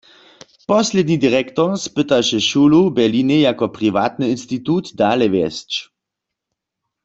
Posledni direktor spytaše šulu w Berlinje jako priwatny institut dale wjesć.